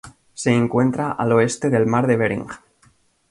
Se encuentra al oeste del Mar de Bering.